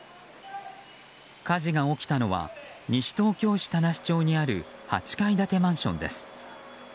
火事が起きたのは西東京市田無町にある８階建てマンションです。